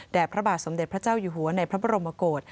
พระบาทสมเด็จพระเจ้าอยู่หัวในพระบรมโกศ